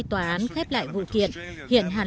tòa án khép lại vụ kiện